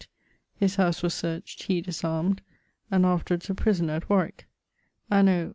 His house was search't; he disarmed; and afterwards a prisoner at Warwick. Anno ...